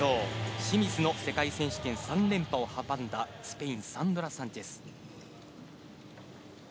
清水の世界選手権３連覇を阻んだスペイン、サンドラ・サンチェス。